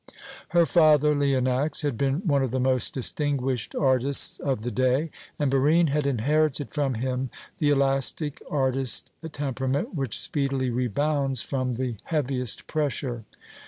Her father, Leonax, had been one of the most distinguished artists of the day, and Barine had inherited from him the elastic artist temperament which speedily rebounds from the heaviest pressure.